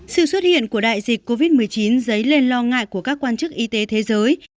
sự xuất hiện của đại dịch covid một mươi chín dấy lên lo ngại của các quan chức y tế thế giới